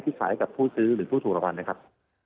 ที่ขายกับผู้ซื้อหรือผู้ถูรวรรณนะครับ